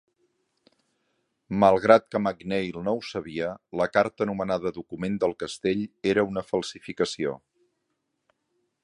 Malgrat que MacNeill no ho sabia, la carta anomenada Document del castell era una falsificació.